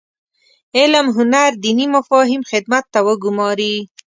علم هنر دیني مفاهیم خدمت ته وګوماري.